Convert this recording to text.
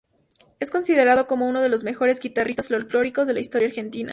Es considerado como uno de los mejores guitarristas folclóricos de la historia Argentina.